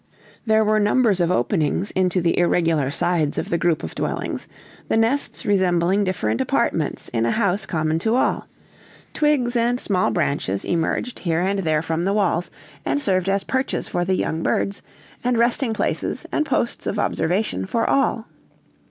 There were numbers of openings into the irregular sides of the group of dwellings, the nests resembling different apartments in a house common to all; twigs and small branches emerged here and there from the walls, and served as perches for the young birds, and resting places and posts of observation for all.